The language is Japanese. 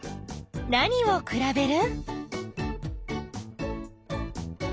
なにをくらべる？